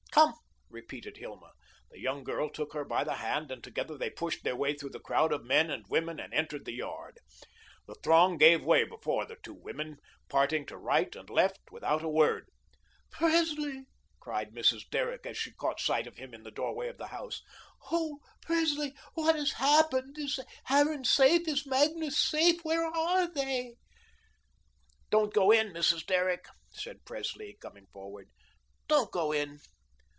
"Come," repeated Hilma. The young girl took her by the hand and together they pushed their way through the crowd of men and women and entered the yard. The throng gave way before the two women, parting to right and left without a word. "Presley," cried Mrs. Derrick, as she caught sight of him in the doorway of the house, "oh, Presley, what has happened? Is Harran safe? Is Magnus safe? Where are they?" "Don't go in, Mrs. Derrick," said Presley, coming forward, "don't go in."